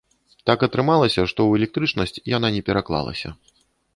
Так атрымалася, што ў электрычнасць яна не пераклалася.